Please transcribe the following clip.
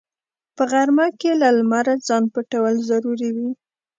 په غرمه کې له لمره ځان پټول ضروري وي